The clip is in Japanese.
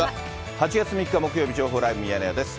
８月３日木曜日、情報ライブミヤネ屋です。